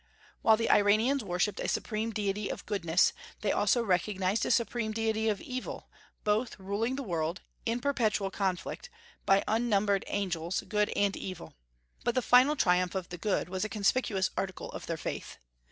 While the Iranians worshipped a supreme deity of goodness, they also recognized a supreme deity of evil, both ruling the world in perpetual conflict by unnumbered angels, good and evil; but the final triumph of the good was a conspicuous article of their faith.